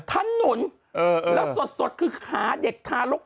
ถนนแล้วสดคือขาเด็กทารก